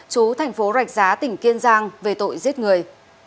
chú thành phố rạch giá tỉnh kiên giang về tội giết người